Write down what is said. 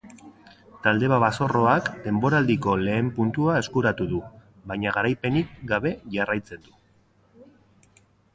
Talde babazorroak denboraldiko lehen puntua eskuratu du, baina garaipenik gabe jarraitzen du.